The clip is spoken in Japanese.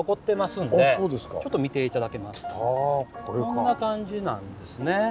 こんな感じなんですね。